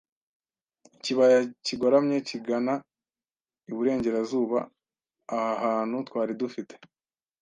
Ikibaya kigoramye kigana iburengerazuba, aha hantu twari dufite